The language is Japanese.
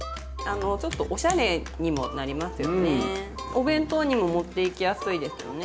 お弁当にも持っていきやすいですよね。